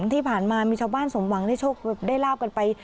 ที่ผ่านมามีชาวบ้านสมวังได้ช่วงได้ร่าวไป